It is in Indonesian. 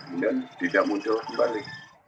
kemudian tidak muncul kembali